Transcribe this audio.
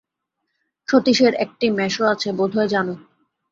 সতীশের একটি মেসো আছে, বোধ হয জান।